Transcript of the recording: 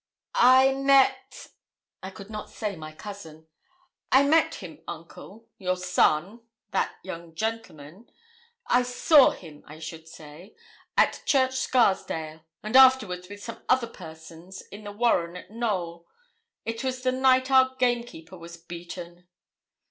'I met' I could not say my cousin 'I met him, uncle your son that young gentleman I saw him, I should say, at Church Scarsdale, and afterwards with some other persons in the warren at Knowl. It was the night our gamekeeper was beaten.'